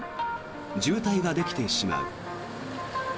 渋滞ができてしまう。